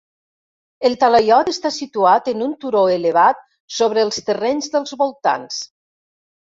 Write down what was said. El talaiot està situat en un turó elevat sobre els terrenys dels voltants.